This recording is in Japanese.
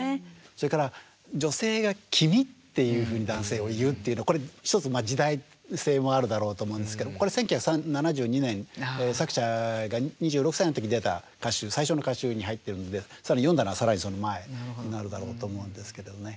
それから女性が「君」っていうふうに男性を言うっていうのこれ一つ時代性もあるだろうと思うんですけどこれ１９７２年作者が２６歳の時に出た歌集最初の歌集に入ってるんで更に詠んだのは更にその前になるだろうと思うんですけどね。